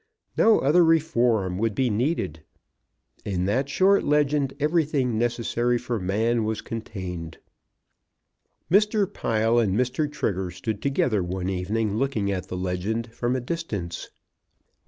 No other Reform would be needed. In that short legend everything necessary for man was contained. Mr. Pile and Mr. Trigger stood together one evening looking at the legend from a distance.